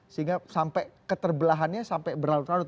sehingga sampai keterbelahannya sampai berlarut larut